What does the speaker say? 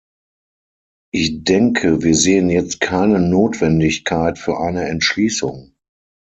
Ich denke, wir sehen jetzt keine Notwendigkeit für eine Entschließung.